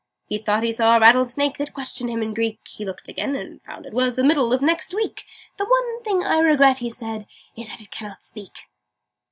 "He thought he saw a Rattlesnake That questioned him in Greek: He looked again, and found it was The Middle of Next Week. 'The one thing I regret,' he said, 'Is that it cannot speak!"